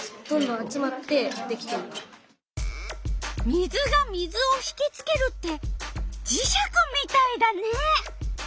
水が水をひきつけるってじ石みたいだね！